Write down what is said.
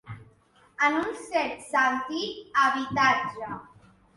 En un cert sentit, habitatge.